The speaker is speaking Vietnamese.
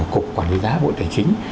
cục quản lý giá bộ tài chính